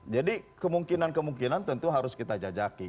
jadi kemungkinan kemungkinan tentu harus kita jajaki